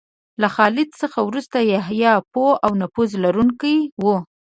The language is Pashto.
له خالد څخه وروسته یحیی پوه او نفوذ لرونکی و.